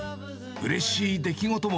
うれしい出来事も。